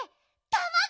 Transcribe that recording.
たまご？